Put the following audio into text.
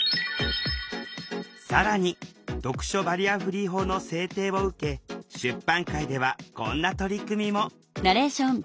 更に読書バリアフリー法の制定を受け出版界ではこんな取り組みも。